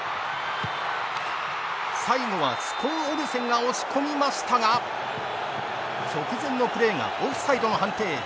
最後はスコウオルセンが押し込みましたが直前のプレーがオフサイドの判定。